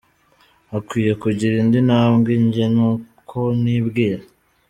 Hakwiye kugira indi ntambwe, njye ni ko nibwira.